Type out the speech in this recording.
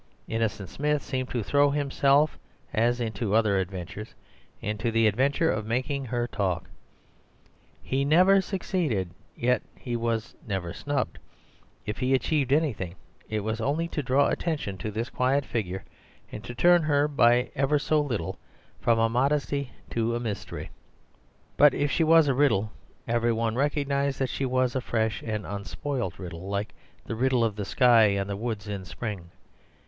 Innocent Smith seemed to throw himself, as into other adventures, into the adventure of making her talk. He never succeeded, yet he was never snubbed; if he achieved anything, it was only to draw attention to this quiet figure, and to turn her, by ever so little, from a modesty to a mystery. But if she was a riddle, every one recognized that she was a fresh and unspoilt riddle, like the riddle of the sky and the woods in spring.